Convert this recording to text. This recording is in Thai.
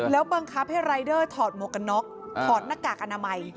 แล้วบังคับให้รายเดอร์ถอดหมวกกันน็อกถอดหน้ากากอนามัย